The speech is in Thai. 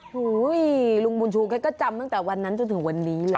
ลุงบุญชูแกก็จำตั้งแต่วันนั้นจนถึงวันนี้เลย